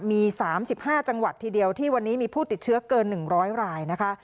มี๓๕จังหวัดทีเดียวที่วันนี้มีผู้ติดเชื้อเกิน๑๐๐รายนะคะ